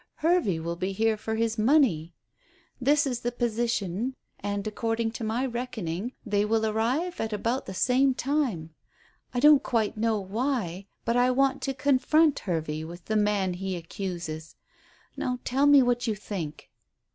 Hervey will be here for his money. This is the position; and, according to my reckoning, they will arrive at about the same time. I don't quite know why, but I want to confront Hervey with the man he accuses. Now tell me what you think."